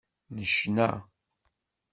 Necna.